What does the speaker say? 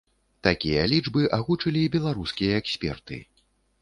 Такія лічбы агучылі беларускія эксперты.